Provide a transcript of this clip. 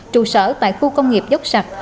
trụ sở tại khu công nghiệp dốc sạch